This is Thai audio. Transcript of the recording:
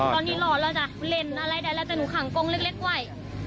ตอนนี้หล่อแล้วจ้ะเล่นอะไรได้แล้วแต่หนูขังกงเล็กไว้